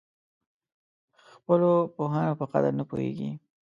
خپلو پوهانو په قدر نه پوهېږي.